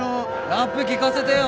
ラップ聴かせてよ。